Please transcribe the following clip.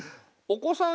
お子さん